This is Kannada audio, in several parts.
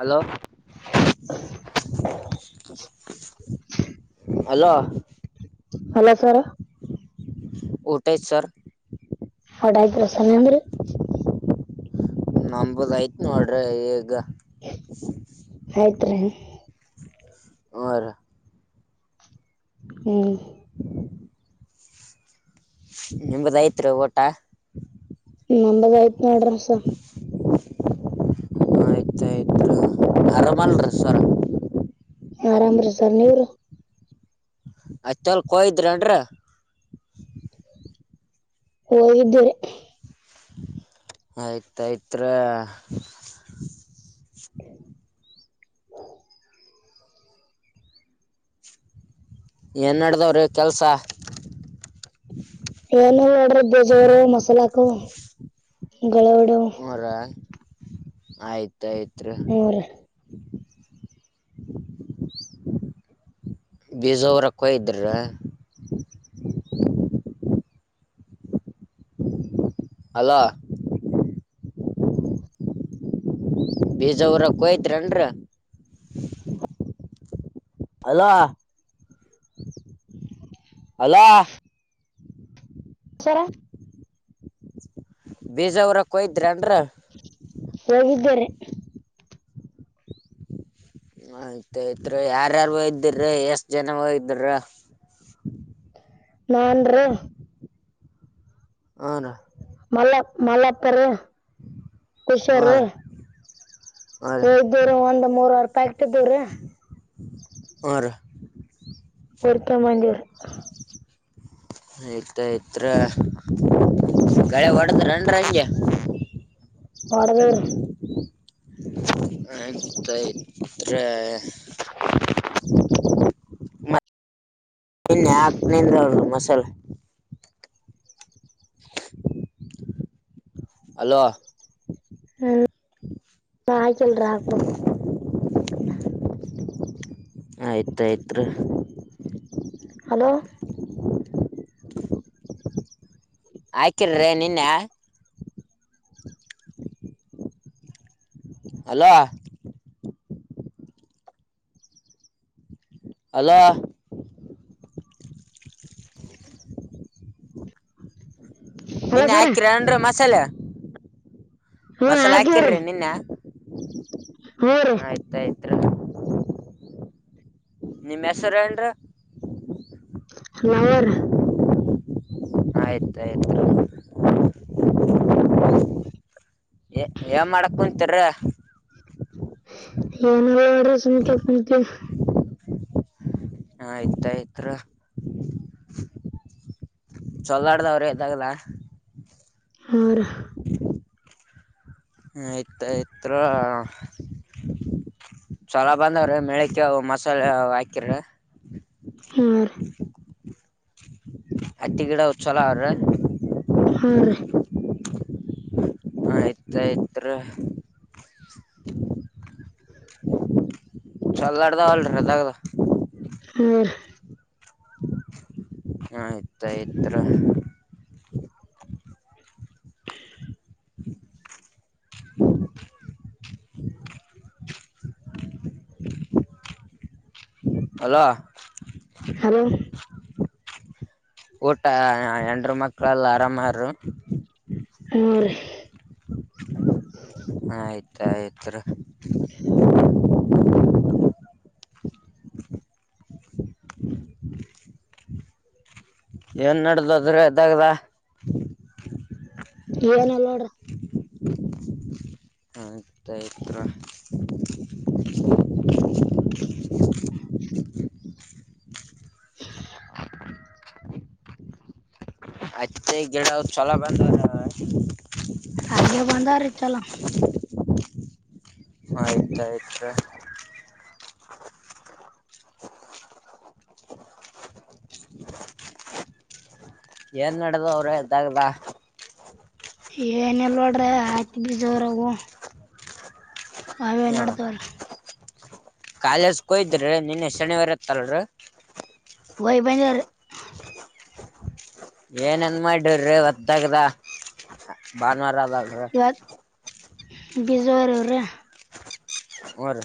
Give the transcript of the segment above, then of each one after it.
ಹಲೋ ಹಲೋ ಹಲೋ ಸರ್ ಊಟ ಆಯ್ತ ಸರ್ [unintelligible] ನಂಬದ ಆಐತ್ ನೋಡ್ರಿ ಈಗ ಆಯ್ತ್ರಿ ಹೂರಿ ಹ್ಮ್ ನಿಂಬದೈತ್ ಊಟಾ ನಂದಬಿ ಆಯ್ತ್ ನೋಡ್ರಿಸರ್ ಆಯ್ತು ಆಯ್ತು ಆರಾಮಲ್ ಸರ್ ಆರಾಮ್ರೀ ಸರ್ ನೀವರಿ [unintelligible] ಕೊಯಿದ್ರಲ್ ಹೋಗಿದ್ದವರೀ ಆಯ್ತಾಆಯ್ತರೀ ಏನ್ ನಡದಾವ್ರಿ ಕೆಲಸಾ ಏನಲ್ಲ ನೋಡ್ರಿ ಬಿಜ್ಜಾ ವುರುದು ಮಸಾಲಾಕುದು ಗಳೇ ಹೊ ರ ಆಯ್ತಯತ್ ರೀ ಬೀಜಾ ಉರಾಕ್ಕ ಹೋಗಿದ್ರಾ. ಅಲೋ ಬೀಜಾವುರಾಕ ಹೋಗಿದ್ದರೇನ್ರೀ ಹಲೋ ಅಲೋ ಸರ ಬಿಜಾ ಊರಾಕ್ ಹೋಗಿದ್ದರೇನ ಹೋಗಿದ್ದೇರಿ ಆಯ್ತ ಆಯ್ತ್ರಿ ಯಾರ್ಯಾರ ಹೋಗಿದ್ದಿರಿ ಎಷ್ಟ ಜನಾ ಹೋಗಿದ್ರಿ [inaudible] ಏನ್ರೀ ಹೂ ಅಣ್ಣ ಮಲ ಮಲಪ್ಪ ರ ಹ್ರ ಕುಷರಿ ಹ್ರ ಹ ಇದ್ದವ್ರೀ ಒಂದ್ ಮೂರವಾರ ಪ್ಯಾಕೆಟ್ ಇದ್ದವ್ರೀ ಹುರಿ ಹೊರ್ತ ಬಂದಿವ ರೀ ಇಟ್ ಇತ್ರ ಗಳೆ ಹೊಡದ ರೆನ್ ಗೆ ಹೋಡದೇವರಿ [unintelligible] ನಿನ್ನೆ ಹಾಕ್ ನಿಂದ್ರರು ಮಸಾಲ ಅಲೋ ಹ್ಮ್ ಹಾಕಿಲ್ರಿ ಹಾಕಬೇಕ ಆಯ್ತು ಆಯ್ತರೀ ಹಲೋ ಆಯಕಿರಿ ನಿನ್ನೆ ಅಲೋ ಅಲೋ ಹಲೋ ನಿನ್ನೆ ಸರ ಹಾಕಿರ ಅನ್ ಮಸಾಲೆ ಹ್ಞೂ ಮಸಾಲೆ ಹಾಕಿವ್ರಿ ಹಾಕಿರ್ರಿ ನಿನ್ನೆ ಹ್ಞೂ ರೀ ಆಯ್ತಯ್ತು [inaudible] ನಿಮ್ಮ ಹೆಸರ ಏನ್ ರಿ ಲಾವರ್ ಆಯ್ತ ಆಯ್ತು ಏ ಏನ್ ಮಾಡಕ್ ಕುಂತೀರಿ ಏನು ಇಲ್ನೊಡ್ರಿ ಸುಮ್ನೆಕೆ ಕೊಂತಿವಿ ಹಯ್ತಯ್ತ್ರ ಚಲೋ ನಡೆದವ್ರಿ ದಗದ ಹ ರಿ ಆಯ್ತಾ ಆಯ್ತ್ರೋ ಚಲೋ ಬಂದವ್ರೀ ಮಳಿಕ್ಕಿ ಮಸಾಲೆ ಹಾಕಿರಿ ಹ್ಮ ರಿ ಹತ್ತಿ ಗಿಡ ಅವು ಚೊಲೋ ಅವ್ರಿ ಹ್ಞೂ ರೀ ಆಯ್ತಾ ಆಯ್ತ್ರಿ ಚೋಲ್ ನಡದವಲ್ರಿ ದಗದ ಹ್ಞೂ ರೀ ಆಯ್ತಾ ಆಯ್ತ್ರಿ [inaudible] [inaudible] ಹಲೋ ಹಲೋ ಊಟ ಎಂಡರು ಮಕ್ಕಳಲ್ಲ ಆರಾಮಾರರು ಹ್ಮ್ಮ್ ರಿ ಆಯ್ತ ಆಯ್ತ ರಿ [inaudible] ಏನ್ ನಡ್ದ ಅದ್ರಿ ದಗದ ಏನಲ್ಲ ನೋಡ್ರ ಆಯ್ತಾ ಆಯ್ತ್ರಿ [inaudible] ಅತ್ತೆ ಗಿಡ ಚೊಲೋ ಬಂದವರೇ ಹಾಗೆ ಬಂದ ರೀ ಚೊಲೋ ಆಯ್ತ ಆಯ್ತ ರಿ ಏನ್ ನಡದವ್ರಿ ದಗದ ಏನಿಲ್ಲ ನೋಡ್ರಿ ಆಯ್ತ ಬೀಜ ಊರವು ಅವೇ ಹ್ಮ್. ನೋಡ್ದವ್ರ ಕಾಲೇಜ್ ಕೋಯ್ದ್ರಿ ನಿನ್ನೆ ಶನಿವಾರ ಇತ್ತಲ್ರರಿ ವಾಯ ಬಂದಿವ್ರಿ ಏನೇನ ಮಾಡವ್ರಿ ಇವತ್ ದಗದ ಭಾನುವಾರ ಆದದಾಗ ಬಿಜ ಉರಿವ್ರಿ ಹ್ಮ್ ರಿ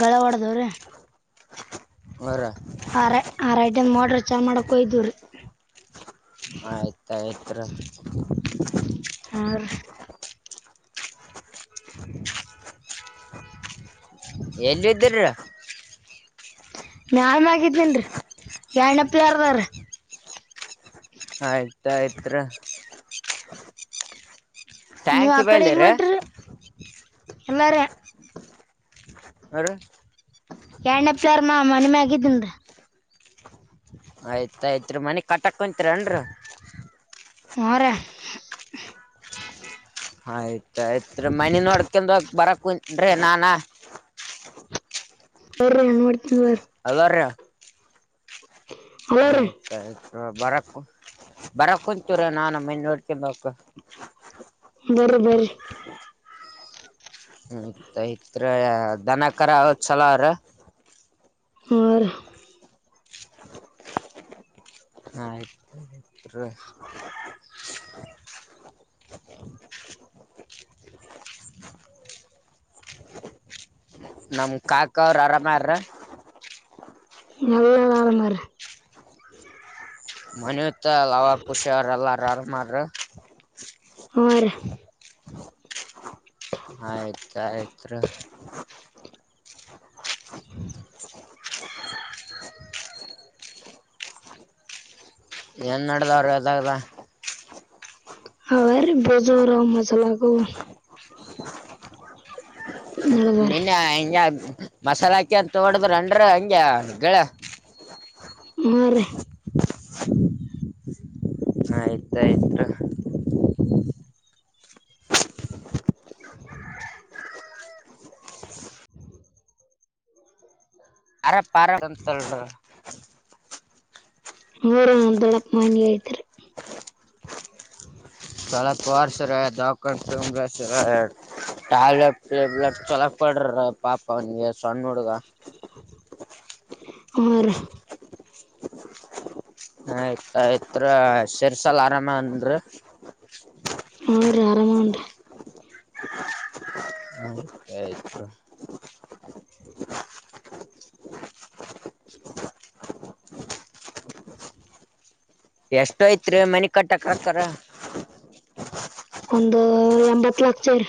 ಗಳೇ ಹೊಡೆದೇವರಿ ಹ್ಞೂ ರೀ ಆರ್ ಆರ್ ಮೋಟಾರ್ ಚಲೋ ಮಾಡಕ್ ಹೋಗಿದ್ದೀರಿ ಆಯ್ತ ಆಯ್ತ ರಿ ಹ ರಿ [inaudible] ಎಲ್ಲಿ ಇದ್ದರಿ [unintelligible] ಆಯ್ತ ಆಯ್ತ್ ರಿ ನೀವ್ ಆ ಕಡೆ ಎಲ್ ಬಲ್ಲಿರಿ ಹೊಂತ್ರಿ ಎಲ್ಲಾರ ಆ ರಿ ಎರಡನೇ ಫ್ಲೋರ್ ಮನಿಮ್ಯಾಗ್ ಇದ್ದೀನ್ರಿ ಆಯ್ತಾಯ್ತ್ ರಿ ಮನಿ ಕಟ್ಟಾಕ್ಕೊಂತರಿನ್ರಿ ಹ್ರ ಆಯ್ತಾಯಯ್ತ್ ಮನೆ ನೋಡ್ಕೊಂಡ ಬರಕ್ ಕುರೆ ನಾನ ಬೌ ನ ಮಾಡಡ್ತ ಬ ಅದರ ಹಲೋ ರೀ ಆಯ್ತಾಯ್ತು ಬರಕ್ ಬರ ಕುಂತೂರ ನಾನುಮ್ಮನ್ ನೋಡ್ಕನ್ಬೇಕ ಬರಬರ ಹ್ಮ್ತ್ ಯ್ತ್ ದನಕರ ಚಲೋ ಅವ್ರ ಹ ಆಯ್ತ [unintelligible] ನಮ ಕಾಕ ಅವ್ರ ಆರಾಮಾರ ಾಗನ್ನ್ರ [unintelligible] ಮನತ್ ಅವಾವಾಗ ಖುಷಿ ಅವ್ರ ಎಲ್ಲಾರಮಾರ್ರ ಹ ಆಯ್ತ ಆಯ್ತ್ ಏನ್ ನಡ್ದವ್ರ ಗತ್ತಾಗದ ಅವ ಬಜೋರ ಮಜಲಾಗುವ ನಿನ್ನೆ ಹಿಂಗ ಮಸಾಲಾಕಿಂತ ತೋಡದ್ರ ಅನ್ ಹಂಗಗೆ ಗೆಳ ಆ ಆಯ್ತಾಯ್ತು ಅರ ಪಾರ ಅಂತಲ್ರ ಅವರ ದೊಡಕ್ ಮನ್ ಐತ್ರಿ ಸಳತ್ ವಾರಸರ ದಾವಕ್ರಸ ಟ್ಯಾಬ್ಲೆಟ್ ಟೇಬ್ಲೆಟ್ ಚಲೋಕ್ ಪಡ್ರ ಪಾಪ ಅವನಿಗೆ ಸಣ್ಣ ಹುಡುಗ ಆ ಆಯ್ತ ಆಯ್ತ್ರ ಸೇರ್ಸಲ್ ಆರಾಮ ಅಂದ್ರ ಹಾ ರೀ ಆರಾಮನ್ರಿ ಆಯ್ತಾಯ್ತು ಎಷ್ಟ ಐತ್ರಿ ಮನೆ ಕಟ್ಟಕ್ ಹತರ ಒಂದು ಎಂಬತ್ ಲಕ್ಷಕ್ಷರ್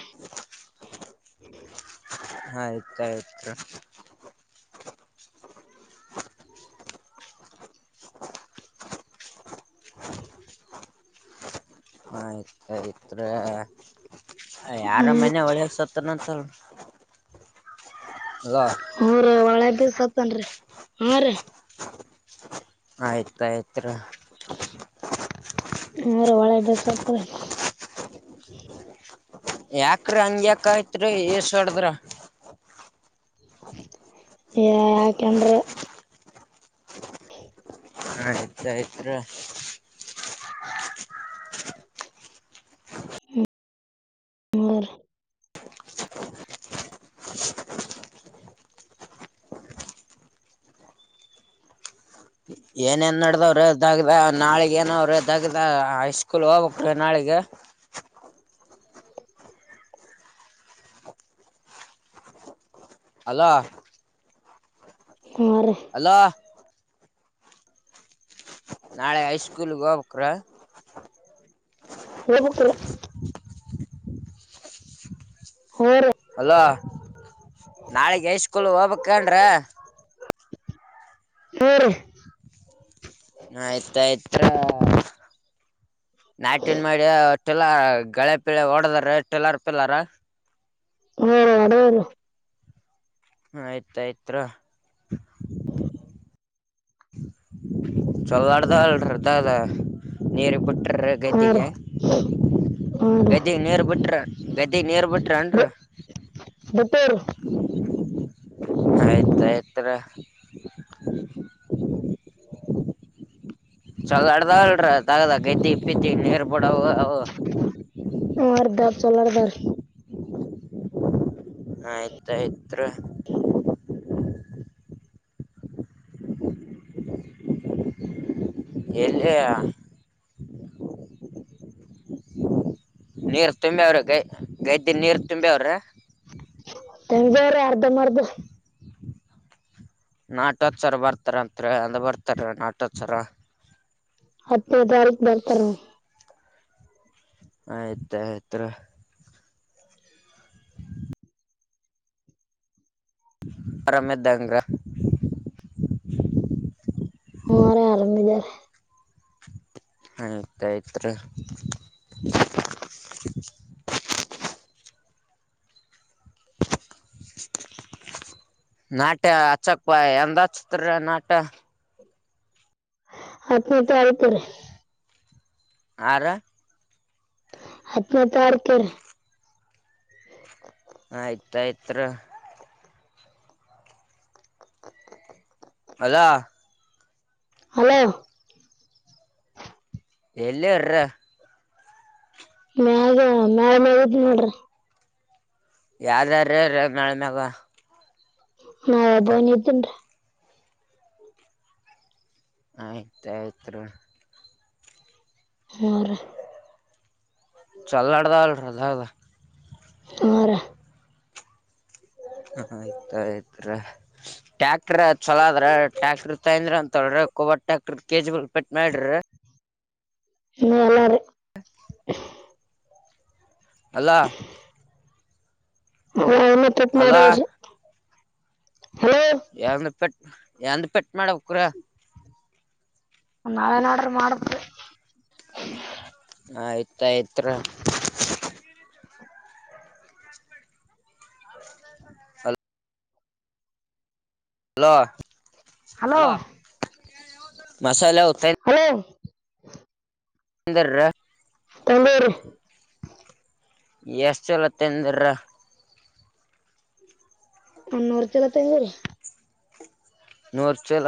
ಹಯ್ತ ಆಯ್ತು ಆ ಆಯ್ತ್ ಆಯ್ತ್ ಯಾರ ಮನ್ ಹ್ಞೂ ಒಳಗ್ ಸತ್ತನಂತಲ್ [unintelligible] ಹಊರ ಒಳೆ ಬೀ ಸತ್ತನ್ರಿ ಹಾ ರೀ ಆಯ್ತ ಆಯ್ತ್ ಮರ ವಳ ಬಸತ ಯಾಕ್ರಿ ಹಂಗ್ಯಾಕಾಯತ್ರಿ ಏ ಸ ಹೊಡದ್ರ ಯಾಕನ್ [unintelligible] ಚೈತ್ರ ಹ್ಮ ಮ ಏನೇನ್ ನಡ್ದವ್ರೆ ದಗ್ದ ನಾಳಗ ಏನವ್ರೆ ದಗ್ದ ಹೈಸ್ಕೂಲ್ ಹೋಗಕ್ ರ ನಾಳಿಗೆ ಅಲ ನ ನಾಳೆ ಹಐಸ್ಕೂಲ್ಗೆ ಹೋಗಬೇಕ್ರ ಹ ಹ ರ ಅಲೋ ನಾಳಗ್ ಐ ಸ್ಕೂಲ್ ಹೋಗ್ಬಕ್ಕನ್ ಹ್ಞೂ ರೀ ಆಯ್ತಾಯ್ತ ನಾಟನ್ ಮಾಡಿ ಟಲರ್ ಳೆ ಪಿಳೆ ಓಡದ್ರ ಟಲರ್ ಪಿಿಲ್ಲಾರ ಬೇರೆ ಅಡವರು ಆಯ್ತ ಆಯ್ತ್ರ ಹಾ ಚಲಾಡ್ದ ಅಲ್ದಲ್ಲ ನೀರ್ ಬಿಟ್ರ ಹ್ಞೂ ರೀ ಗೈದಿಗೆ ಹ್ಞೂ ರೀ ಗದಗ್ ನೀರು ಬಿಟ್ರ ಗದಗ್ ನೀರು ಬಿಟ್ರನ್ರ ಬಿಟ್ಟವ್ರಿ ಆಯತ್ರಯತ್ರ ಚಗಾಡ್ದಲ್ರ ತಗದ ಗದ್ದಿ ಇಪ್ಪಿದ್ದಿೇರ್ಬಡವು ಅವು ಮಾರ್್ದ ಚಲರ್್ದಾರ್ ಆಯ್ತು ಆಯ್ತ್ರ ಎಲ್ಲರೆ ನೀರ್ ತುಂಬಿ ಅವ್ರೀ ಗೈ ಗದ್ದಿನ ನೀರು ತುಂಬಿಾವ್ರೀ ತಮ ಬೇರೆ ಅರ್ಧ ಮರ್ಧ ನಾಟೋತ್ಸರ ಬರ್ತಾರತ್ರಿ ಅದು ಬರ್ತಾರ ನಾಟೋತ್ಸರ ಅನ ತಾರಖ ಬರ್ತರ ಆಯ್ತ ಆಯ್ತ್ ರಮದ ದಂಗಾ ಹ್ಮ ಅರ ಆರಾಮಿದಾರೆ ಆಯ್ತ್ ಆಯ್ತುರಿ ಛೆ ಛೆ ಛೆ ಛೆ ನಾಟ್ಯ ಅಚಕ್ಪ ಎಂದ ಚಿತ್ರ ನಾಟ್ಯ ಅ ತ ಆಪ ಆ ಹನೆ ಪ್ಯಾರ ಕ ಆಯ್ತ ಆಯ್ತ್ ಛೆ ಛೆ ಛೆ ಅದಾ ಹಲೋ ಎಲ್ಲಿರ ಮ್ಯಾಗ ಮ್ಯಾಲ ಮ್ಯಾಗ ನೋಡ್ರಿ ಯಾವ್ದಾರ ನಾಳ್ಮ್ಯಾಗ ಹಾಬನ ಇದಿದ್ದನ್ ಆಯ್ತ ಆಯ್ತ್ ಹ ಚಲ್ಲ ಆಡದಲ್ಲ ರದಾಗದ ಹರ ಹ ಆಯ್ತಯ್ತ್ಟ್ಯಾಕ್ ಟ್ಯಾಕ್ಟ್ರ ಚಲಾದ್ರ ಟ್ಯಾಕ್ಟ್ರರ್ ತಂದ್ರ ಅಂತ್ರಿ ಕೊಬ್ಬ ಟ್ಯಾಕ್ಟ್ರ ಕೆಜಿ ಪೆಟ್ ಮಾಡ್ರಿ ಹ್ಮ ಎಲ್ಲಾರೆ ಅಲ್ಲ ಮತ್ತಪ್ ಮಾಡ್ರ ಅಲ್ಲಾ ಯಾವಂದ ಪೆಟ್ ಯಾವಂದ ಪೆಟ್ ಮಾಡಕರ ನಾವೇನಡ್ರ ಮಾಡುದು ಆಯ್ತಾಯಯ್ತ್ರ ಭೂ ಹಲೋ ಹಲೋ ಮಸಾಲಾ ಹಲೋ ಇಂದರ್ ತಂದೇರಿ. ಎಷ್ಟ ಚಲ ತಂದಿರ್ ಓನ್ನೂರ ಚೀಲ ತಂದೂರಿ. ನೂರ್ ಚೀಲ.